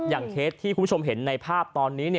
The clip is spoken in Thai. อย่างเคสที่คุณผู้ชมเห็นในภาพตอนนี้เนี่ย